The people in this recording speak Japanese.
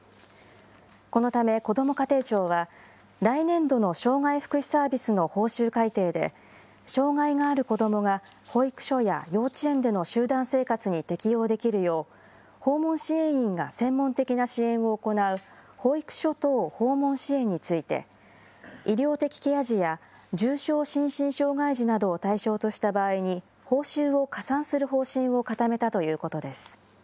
このため、こども家庭庁は、来年度の障害福祉サービスの報酬改定で、障害がある子どもが保育所や幼稚園での集団生活に適応できるよう、訪問支援員が専門的な支援を行う保育所等訪問支援について、医療的ケア児や重症心身障害児などを対象とした場合に、報酬を加算する方針を固めたということです。